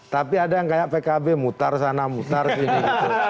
tapi ada yang kayak pkb mutar sana mutar sini gitu